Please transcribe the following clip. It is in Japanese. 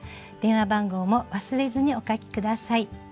電話番号も忘れずにお書き下さい。